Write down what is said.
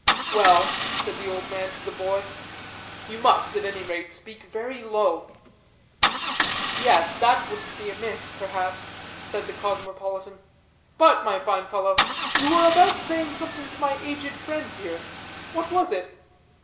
"Well," said the old man to the boy, "you must, at any rate, speak very low." "Yes, that wouldn't be amiss, perhaps," said the cosmopolitan; "but, my fine fellow, you were about saying something to my aged friend here; what was it?"